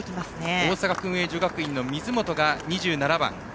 大阪薫英女学院の水本が２７番。